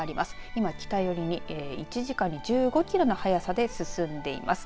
今、北寄りに１時間に１５キロの速さで進んでいます。